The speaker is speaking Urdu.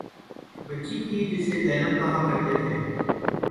بچی تھی جسے زینب کہا کرتے تھے